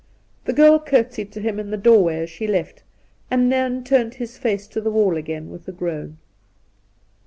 The girl curtseyed to him in the doorway as she left, and Nairn turned his face to the wall again with a groan.